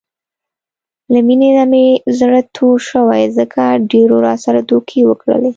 له مینې نه مې زړه تور شوی، ځکه ډېرو راسره دوکې وکړلې.